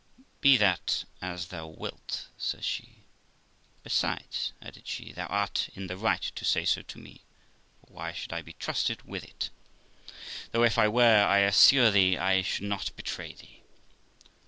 'Be that as thou wilt', says she. 'Besides', added she, 'thou art in the right to say so to me, for why should I be trusted with it? Though, if I were, I assure thee I should not betray thee.'